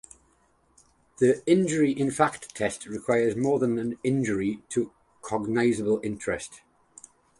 The 'injury in fact' test requires more than an injury to a cognizable interest.